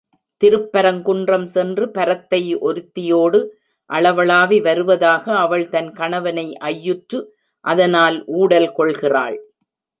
திருப்பரங்குன்றம் சென்று பரத்தை ஒருத்தியோடு அளவளாவி வருவதாக அவள் தன் கணவனை ஐயுற்று அதனால் ஊடல் கொள்கிறாள்.